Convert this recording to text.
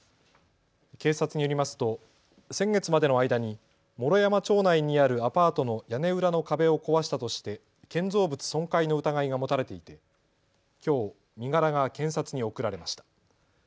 警察によりますと先月までの間に毛呂山町内にあるアパートの屋根裏の壁を壊したとして建造物損壊の疑いが持たれていてきょう身柄が検察に送られました。